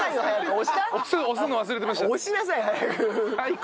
押しなさい早く。